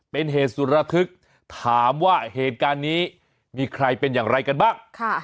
เป็นเหตุสุดระทึกถามว่าเหตุการณ์นี้มีใครเป็นอย่างไรกันบ้าง